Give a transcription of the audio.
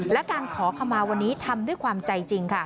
และการขอขมาวันนี้ทำด้วยความใจจริงค่ะ